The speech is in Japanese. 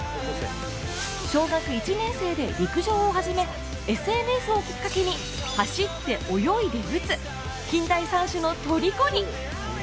小学１年生で陸上を始めＳＮＳをきっかけに走って泳いで打つ近代三種のとりこに。